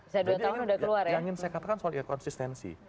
jadi yang ingin saya katakan soal konsistensi